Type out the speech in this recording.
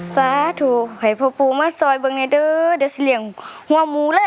สาธุเหยพ่อปูมาซอยเบอร์ไนเด้อเดี๋ยวสิเรียงหัวหมูเลย